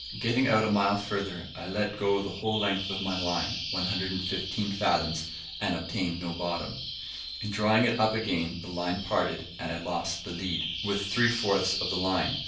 Getting out a mile further, I let go the whole length of my line, 115 fathoms, and obtained no bottom. In drawing it up again the line parted, and I lost the lead, with three fourths of the line.